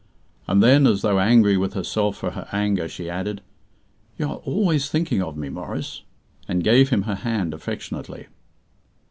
And then, as though angry with herself for her anger, she added, "You are always thinking of me, Maurice," and gave him her hand affectionately.